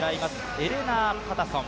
エレナー・パタソン